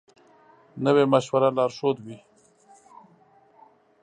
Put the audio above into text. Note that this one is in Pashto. نوی مشوره لارښود وي